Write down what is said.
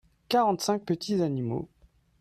quarante cinq petits animaux.